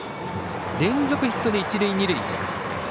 連続ヒットで一塁二塁。